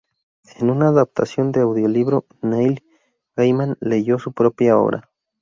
En una adaptación de audiolibro Neil Gaiman leyó su propia obra.